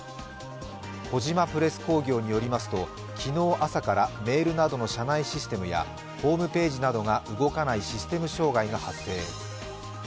小島プレス工業によりますと、昨日朝からメールなどの社内システムやホームページなどが動かないシステム障害が発生。